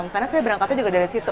karena saya berangkatnya juga dari situ